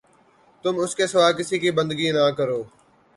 تم اس کے سوا کسی کی بندگی نہ کرو